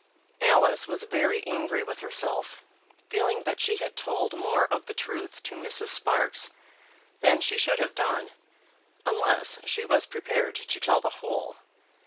Alice was very angry with herself, feeling that she had told more of the truth to Mrs. Sparkes than she should have done, unless she was prepared to tell the whole.